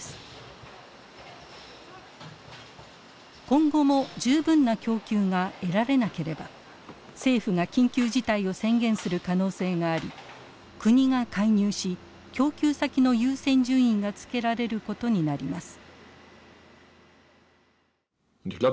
今後も十分な供給が得られなければ政府が緊急事態を宣言する可能性があり国が介入し供給先の優先順位がつけられることになります。